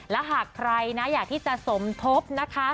และหากใครนะอยากที่จะสมทบนะคะ